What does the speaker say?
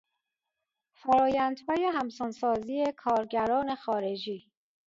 فرآیندهای همسان سازی کارگران خارجی